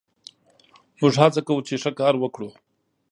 موږ هڅه کوو، چې ښه کار وکړو.